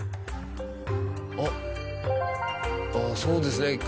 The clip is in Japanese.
あっそうですね